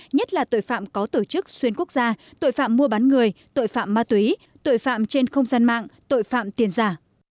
nhất là tội phạm có tổ chức xuyên quốc gia tội phạm mua bán người tội phạm ma túy tội phạm trên không gian mạng tội phạm tiền giả